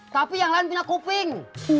tapi yang lain punya kuping